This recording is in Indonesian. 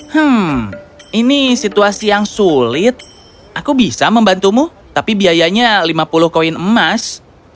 hmm ini situasi yang sulit aku bisa membantumu tapi biayanya lima puluh koin emas